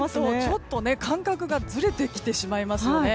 ちょっと感覚がずれてきてしまいますよね。